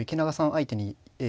相手にえ